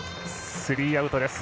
スリーアウトです。